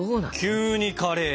急にカレー。